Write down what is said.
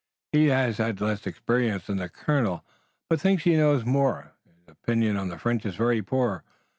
He has had less experience than the colonel, but thinks he knows more. His opinion of the French is very poor.